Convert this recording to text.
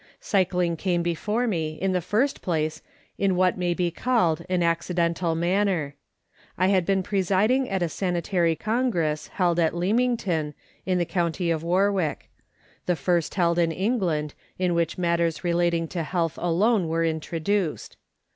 Cycling came before me in the first place in what may be called an accidental manner. I had been presiding at a sanitary con gress held at Leamington, in the county of Warwick ; the first held in England in which matters relating to health alone were introduced.